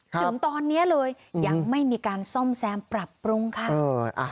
ถึงตอนนี้เลยยังไม่มีการซ่อมแซมปรับปรุงค่ะ